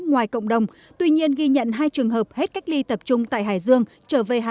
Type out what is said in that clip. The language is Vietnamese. ngoài cộng đồng tuy nhiên ghi nhận hai trường hợp hết cách ly tập trung tại hải dương trở về hà